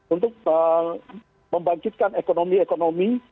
untuk membangkitkan ekonomi ekonomi